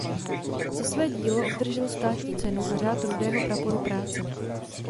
Za své dílo obdržel Státní cenu a Řád rudého praporu práce.